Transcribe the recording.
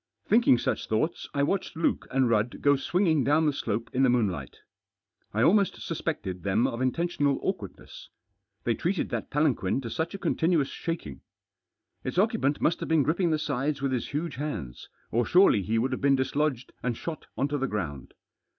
Thinking such thoughts I watched Luke and Rudd go swinging down the slope in the moohlight. I almost suspected them of intentioiial awkwardness ; they treated that palanquin to such a continuous shaking. Its occupant must have been gripping the sides with his huge hands, or surely he would have been dislodged and shot on to the ground.